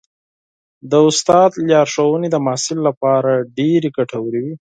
د استاد لارښوونې د محصل لپاره ډېرې ګټورې وي.